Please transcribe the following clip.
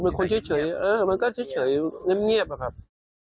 ไม่พูดเป็นคนเฉยเออมันก็เฉยเงียบอะครับ